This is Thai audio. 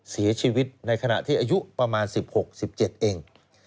เสียชีวิตในขณะที่อายุประมาณ๑๖๑๗เอง